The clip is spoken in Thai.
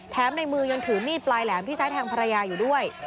ในมือยังถือมีดปลายแหลมที่ใช้แทงภรรยาอยู่ด้วย